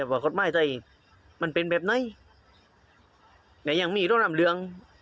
ว่าลำ้าตามกระบวนการยุติธรรมหรือ